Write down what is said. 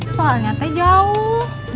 soalnya te jauh